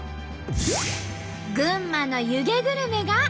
群馬の湯気グルメがこちら。